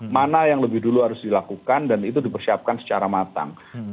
mana yang lebih dulu harus dilakukan dan itu dipersiapkan secara matang